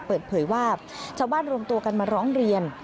เปิดเผยว่าชาวบ้านรวมตัวกันมาร้องเรียน